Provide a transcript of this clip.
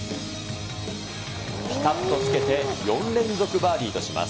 ぴたっとつけて、４連続バーディーとします。